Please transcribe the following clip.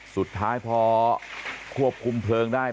สุดท้ายพอควบคุมเพลิงได้